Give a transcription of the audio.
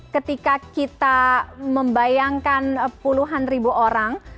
ketika kita membayangkan puluhan ribu orang